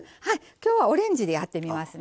今日はオレンジでやってみますね。